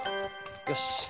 よし。